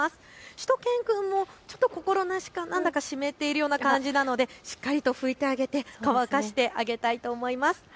しゅと犬くんもちょっと心なしか湿っているような感じなのでしっかりと拭いてあげて乾かしてあげたいと思います。